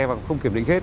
và không kiểm định hết